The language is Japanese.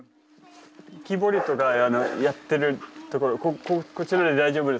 木彫りとかやってるところこちらで大丈夫ですか？